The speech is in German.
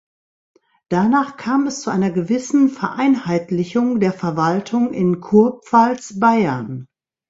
Danach kam es zu einer gewissen Vereinheitlichung der Verwaltung in Kurpfalz-Bayern.